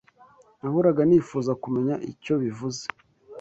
Nahoraga nifuza kumenya icyo bivuze.